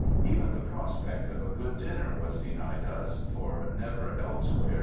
Even the prospect of a good dinner was denied us, for never elsewhere.